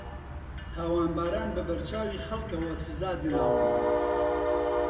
تاوانباران بە بەرچاوی خەڵکەوە سزادراون